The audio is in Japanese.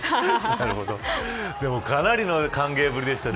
かなりの歓迎ぶりでしたね。